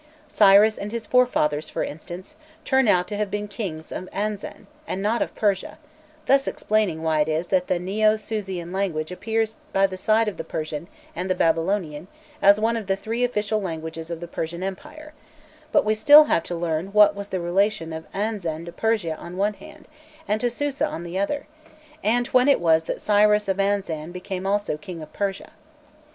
Cyrus and his forefathers, for instance, turn out to have been kings of Anzan, and not of Persia, thus explaining why it is that the Neo Susian language appears by the side of the Persian and the Babylonian as one of the three official languages of the Persian empire; but we still have to learn what was the relation of Anzan to Persia on the one hand, and to Susa on the other, and when it was that Cyrus of Anzan became also King of Persia.